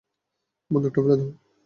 বন্দুকটা ফেলে দাও!